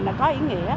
là có ý nghĩa